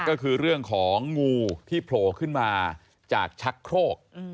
ก็คือเรื่องของงูที่โผล่ขึ้นมาจากชักโครก